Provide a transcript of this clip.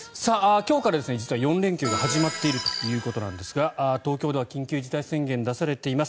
今日から実は４連休が始まっているということなんですが東京では緊急事態宣言が出されています。